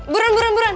buruan buruan buruan